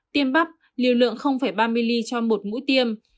tiêm bắp liều lượng ba milli cho một mũi tiêm